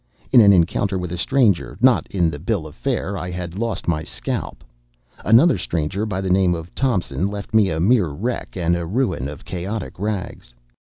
In an encounter with a stranger, not in the bill of fare, I had lost my scalp. Another stranger, by the name of Thompson, left me a mere wreck and ruin of chaotic rags.